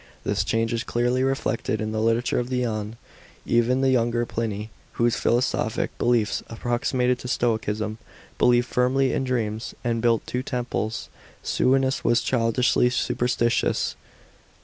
This change is clearly reflected in the literature of the ane. Even the younger Pliny, whose philosophic beliefs approximated to Stoicism, believed firmly in dreams, and built two temples. Sue'onius was childishly superstitious.